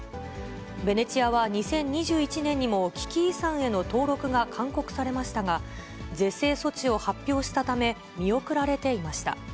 ベネチアは２０２１年にも危機遺産への登録が勧告されましたが、是正措置を発表したため、見送られていました。